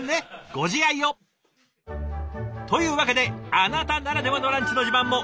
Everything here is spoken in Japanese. ご自愛を！というわけであなたならではのランチの自慢もぜひ教えて下さい！